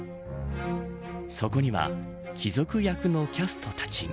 そこには貴族役のキャストたちが。